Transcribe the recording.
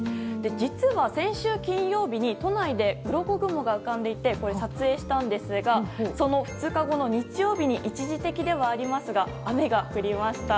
実は先週金曜日に都内でうろこ雲が浮かんでいて撮影したんですがその２日後の日曜日に一時的ではありますが雨が降りました。